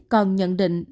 còn nhận định